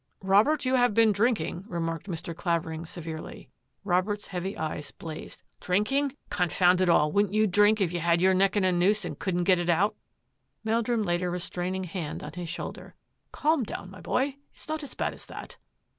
" Robert, you have been drinking," remarked Mr. Clavering severely. Robert's heavy eyes blazed. " Drinking ! Con found it all, wouldn't you drink if you had your neck in a noose and couldn't get it out ?" Meldrum laid a restraining hand on his shoulder. " Calm down, my boy. It's not as bad as that."